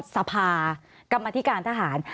สภากรรมธิการทหาร